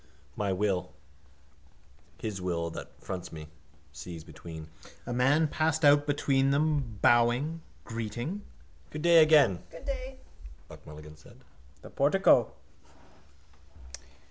My will: his will that fronts me. Seas between. A man passed out between them, bowing, greeting. —Good day again, Buck Mulligan said. The portico.